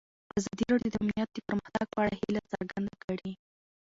ازادي راډیو د امنیت د پرمختګ په اړه هیله څرګنده کړې.